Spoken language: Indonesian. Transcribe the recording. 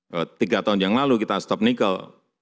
kalau tiga tahun yang lalu kita stop nikel